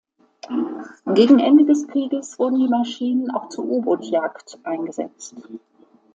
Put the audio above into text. Gegen Ende des Krieges wurden die Maschinen auch zur U-Boot-Jagd eingesetzt.